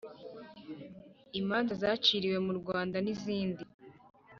Imanza zaciriwe mu rwanda n izindi